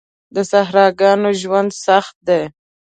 د صحراګانو ژوند سخت دی.